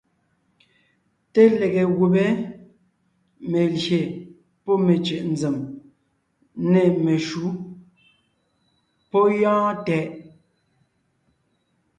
Té lege gùbé (melyè pɔ́ mecʉ̀ʼ nzèm) nê meshǔ... pɔ́ gyɔ́ɔn tɛʼ!